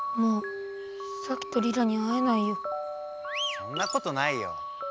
そんなことないよ。